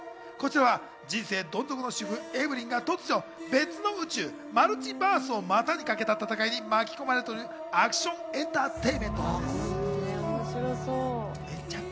人生どん底の主婦・エヴリンが突如、別の宇宙マルチバースを股にかけた戦いに巻き込まれるというアクションエンターテイメントです。